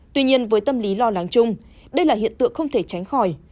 tuy nhiên với tâm lý lo lắng chung đây là hiện tượng không thể tránh khỏi